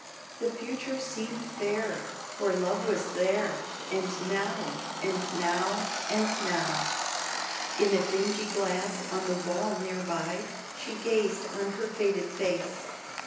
The future seemed fair, for Love was there And now and now and now. In a dingy glass on the wall near by She gazed on her faded face.